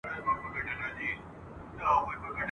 چي اسلام وي د طلا بلا نیولی !.